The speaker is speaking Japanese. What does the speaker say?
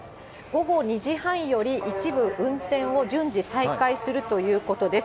午後２時半より一部運転を順次再開するということです。